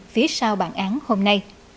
phía sau bản án hôm nay